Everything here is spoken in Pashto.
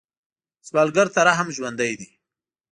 سوالګر ته رحم ژوند دی